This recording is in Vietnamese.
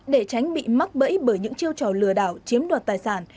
để tránh bị mắc bẫy bởi những chiêu trò lừa đảo chiếm đoạt tài sản